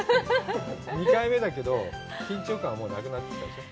２回目だけど緊張感もうなくなってきたでしょ？